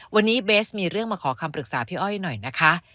วันนี้เบสมีเรื่องมาขอคำปรึกษาพี่อ้อยหน่อยนะคะ